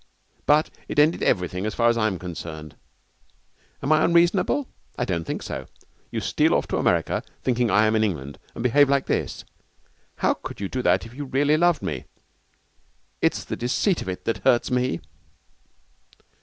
But it ended everything so far as I am concerned. Am I unreasonable? I don't think so. You steal off to America, thinking I am in England, and behave like this. How could you do that if you really loved me? It's the deceit of it that hurts me.'